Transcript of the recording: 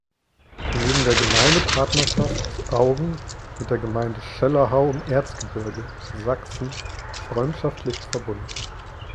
Neben der Gemeindepartnerschaft ist Auggen mit der Gemeinde Schellerhau im Erzgebirge, Sachsen freundschaftlich verbunden.